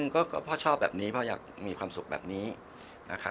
ก็พ่อชอบแบบนี้พ่ออยากมีความสุขแบบนี้นะครับ